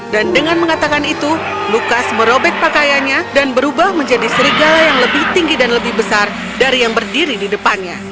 dan dengan mengatakan itu lukas merobek pakaiannya dan berubah menjadi serigala yang lebih tinggi dan lebih besar dari yang berdiri di depannya